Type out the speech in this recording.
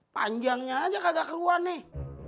panjangnya aja kagak keruan nih